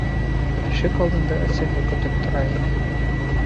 Ишек алдында әсәһе көтөп тора ине.